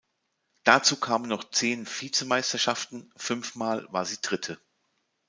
Dazu kamen noch zehn Vizemeisterschaften, fünfmal war sie Dritte.